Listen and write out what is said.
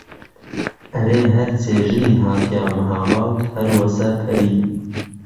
ئهرێ ههرچێ ژنی ها تیا مههاباد ههر وەسە پەری